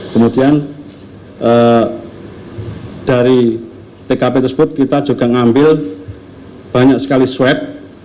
kemudian dari tkp tersebut kita juga ngambil banyak sekali swab